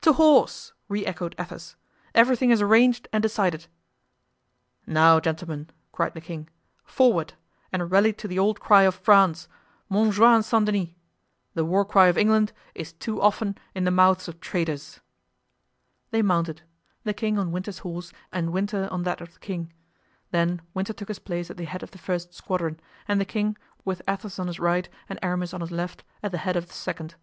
"To horse!" re echoed Athos; "everything is arranged and decided." "Now, gentlemen," cried the king, "forward! and rally to the old cry of France, 'Montjoy and St. Denis!' The war cry of England is too often in the mouths of traitors." They mounted—the king on Winter's horse and Winter on that of the king; then Winter took his place at the head of the first squadron, and the king, with Athos on his right and Aramis on his left, at the head of the second.